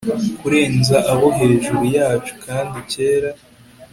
kurenza abo hejuru yacu, kandi cyera